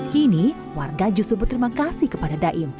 kini warga justru berterima kasih kepada daim